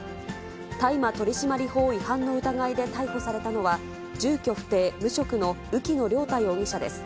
大麻取締法違反の疑いで逮捕されたのは、住居不定無職の浮野涼太容疑者です。